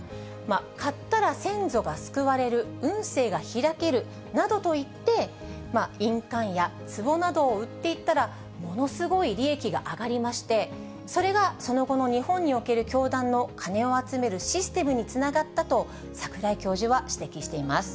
買ったら先祖が救われる、運勢が開けるなどといって、印鑑やつぼなどを売っていったら、ものすごい利益が上がりまして、それがその後の日本における教団の金を集めるシステムにつながったと、櫻井教授は指摘しています。